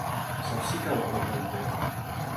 Saps si cau a prop d'Altea?